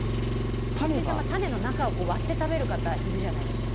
種の中を割って食べる方いるじゃないですか。